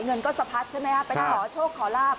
เงินก็สะพัดใช่ไหมฮะไปขอโชคขอลาบ